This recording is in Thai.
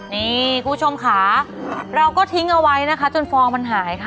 นี่คุณผู้ชมค่ะเราก็ทิ้งเอาไว้นะคะจนฟองมันหายค่ะ